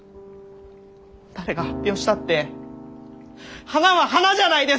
誰が発表したって花は花じゃないですか！